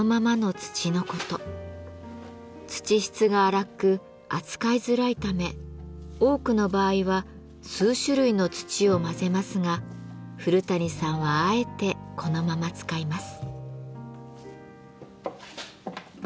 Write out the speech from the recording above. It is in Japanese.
土質が粗く扱いづらいため多くの場合は数種類の土を混ぜますが古谷さんはあえてこのまま使います。